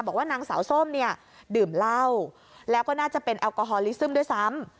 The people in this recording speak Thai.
บอกว่านางสาวส้มเนี่ยดื่มเหล้าแล้วก็น่าจะเป็นแอลกอฮอลลิซึมด้วยซ้ำ